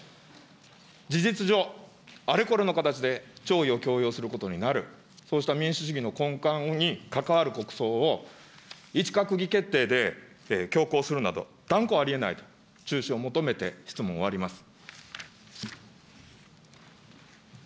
事実上、あれこれの形で弔意を強要することになる、そうした民主主義の根幹に関わる国葬を、一閣議決定で強行するなど、断固ありえないと、中止を求めて、質問を終わります。